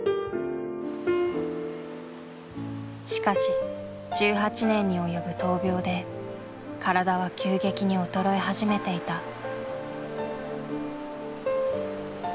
しかし１８年に及ぶ闘病で体は急激に衰え始めていた。